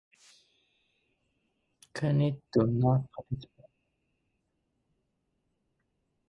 Kilkenny do not participate.